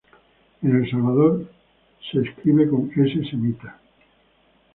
En El Salvador de escribe con "S".Semita.